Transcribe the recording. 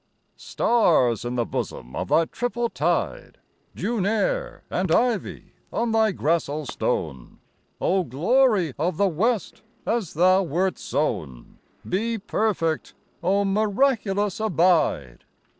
Stars in the bosom of thy triple tide, June air and ivy on thy gracile stone, O glory of the West, as thou wert sown, Be perfect: O miraculous, abide!